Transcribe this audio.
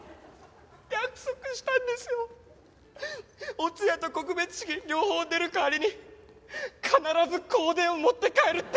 お通夜と告別式両方出る代わりに必ず香典を持って帰るって。